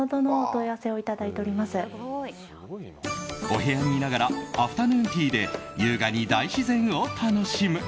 お部屋にいながらアフタヌーンティーで優雅に大自然を楽しむ。